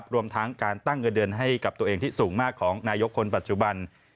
รวมทั้งการตั้งเงินเดือนให้กับตัวเองที่สูงมากของนายกคนปัจจุบัน